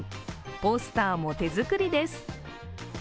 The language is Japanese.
ポスターも手作りです。